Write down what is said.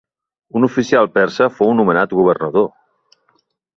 Un oficial persa fou nomenat governador.